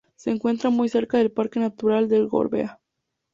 Se encuentra muy cerca del parque natural del Gorbea.